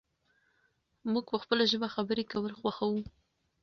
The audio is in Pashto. موږ په خپله ژبه خبرې کول خوښوو.